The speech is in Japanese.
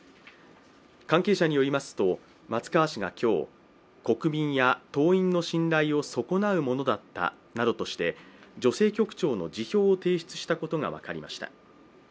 関係者によりますと松川氏が今日、国民や党員の信頼を損なうものだったなどとして女性局長の辞表を提出したことが分かりました。